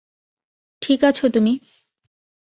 ঠিক আছো তুমি।